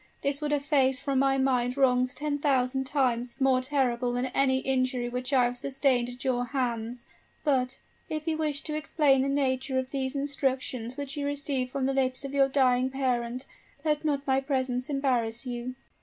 this would efface from my mind wrongs ten thousand times more terrible than any injury which I have sustained at your hands. But," continued Flora, in a slow and gentle tone, "if you wish to explain the nature of these instructions which you received from the lips of your dying parent, let not my presence embarrass you."